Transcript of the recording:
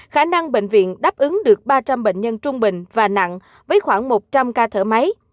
khả năng bệnh viện đáp ứng được ba trăm linh bệnh nhân trung bình và nặng với khoảng một trăm linh ca thở máy